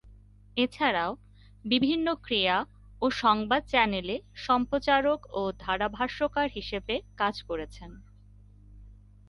এছাড়াও, বিভিন্ন ক্রীড়া ও সংবাদ চ্যানেলে সম্প্রচারক ও ধারাভাষ্যকার হিসেবে কাজ করছেন।